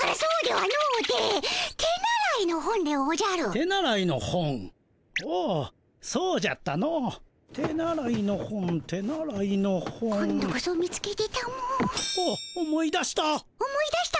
はっ思い出した。